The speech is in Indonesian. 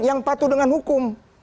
yang patuh dengan hukum